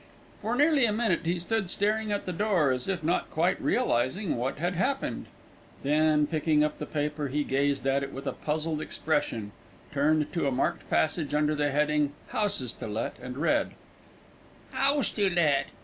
For nearly a minute he stood staring at the door, as if not quite realising what had happened. Then, picking up the paper, he gazed at it with a puzzled expression, turned to a marked passage under the heading "Houses to Let," and read: HOUSE TO LET.